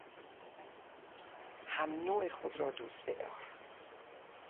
همنوع خود را دوست بدار.